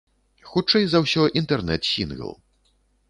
Хутчэй за ўсё, інтэрнэт-сінгл.